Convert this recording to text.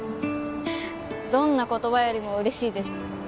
どんな言葉よりも嬉しいです。